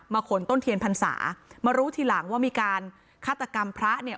ขนต้นเทียนพรรษามารู้ทีหลังว่ามีการฆาตกรรมพระเนี่ย